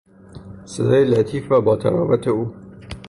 صدای لطیف و با طراوت او